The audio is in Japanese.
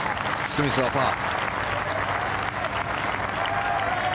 スミスがパー。